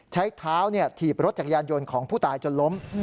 ใช้เท้าถีบรถจักรยานยนต์ของผู้ตายจนล้ม